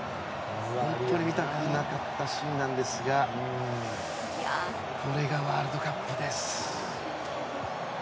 本当に見たくなかったシーンなんですがこれがワールドカップです。